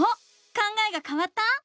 考えがかわった？